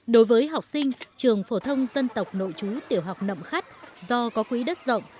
đối với học sinh trường phổ thông dân tộc nội chú tiểu học nậm khắt do có quý đất rộng